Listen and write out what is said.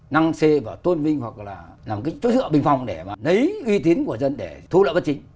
năng c và tôn vinh hoặc là làm cái chỗ dựa bình phòng để mà lấy uy tín của dân để thu lợi bất chính